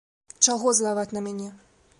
Чаго злаваць на мяне?